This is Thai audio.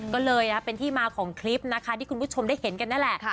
ก็เลยเป็นที่มาของคลิปนะคะที่คุณผู้ชมได้เห็นกันนั่นแหละ